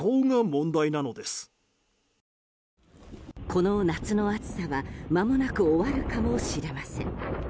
この夏の暑さはまもなく終わるかもしれません。